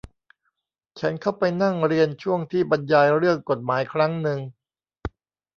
ฉันเข้าไปนั่งเรียนช่วงที่บรรยายเรื่องกฎหมายครั้งนึง